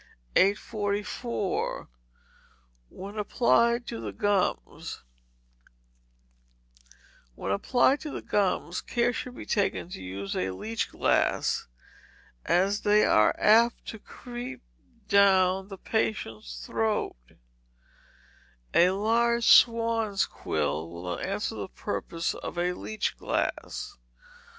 844. When applied to the Gums When applied to the gums, care should be taken to use a leech glass, as they are apt to creep down the patient's throat: a large swan's quill will answer the purpose of a leech glass.